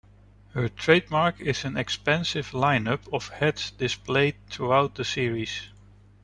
Her trademark is an expansive lineup of hats displayed throughout the series.